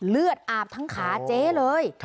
เลือดอาบทั้งขาเจ๊เลย